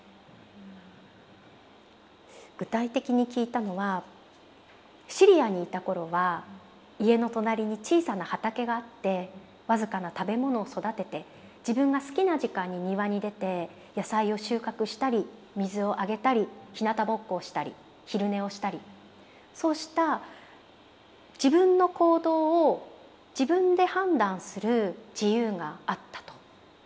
具体的に聞いたのはシリアにいた頃は家の隣に小さな畑があって僅かな食べ物を育てて自分が好きな時間に庭に出て野菜を収穫したり水をあげたりひなたぼっこをしたり昼寝をしたりそうした自分の行動を自分で判断する自由があったと。